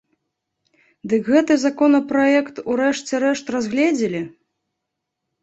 Дык гэты законапраект у рэшце рэшт разгледзелі?